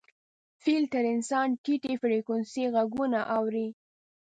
فیل تر انسان ټیټې فریکونسۍ غږونه اوري.